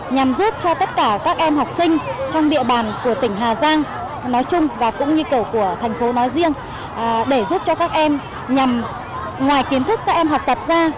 nhằm giúp cho tất cả các em học sinh trong địa bàn của tỉnh hà giang nói chung và cũng như của thành phố nói riêng để giúp cho các em nhằm ngoài kiến thức các em học tập ra